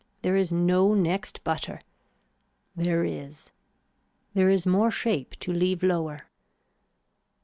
There is no next butter. There is. There is more shape to leave lower.